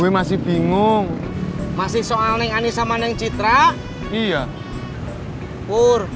emang di hongkong ada mak